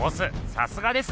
さすがです。